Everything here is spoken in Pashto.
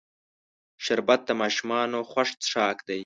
شربت د ماشومانو خوښ څښاک دی